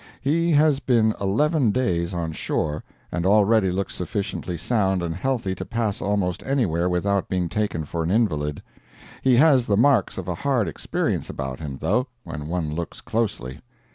He has been eleven days on shore, and already looks sufficiently sound and healthy to pass almost anywhere without being taken for an invalid. He has the marks of a hard experience about him though, when one looks closely.